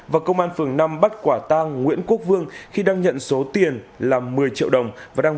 và công an phường năm bắt quả tang nguyễn quốc vương khi đang nhận số tiền là một mươi triệu đồng và đang